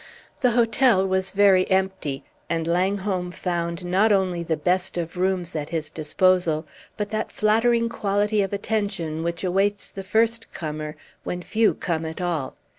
The hotel was very empty, and Langholm found not only the best of rooms at his disposal, but that flattering quality of attention which awaits the first comer when few come at all.